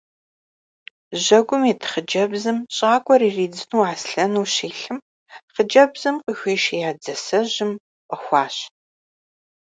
Жьэгум ит хъыджэбзым щӏакӏуэр иридзыну аслъэну щилъым, хъыджэбзым къыхуишия дзасэжьым фӏэхуащ.